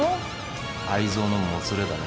愛憎のもつれだね。